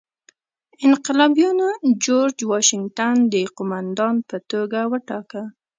انقلابیانو جورج واشنګټن د قوماندان په توګه وټاکه.